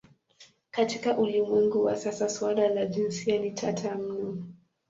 Katika ulimwengu wa sasa suala la jinsia ni tata mno.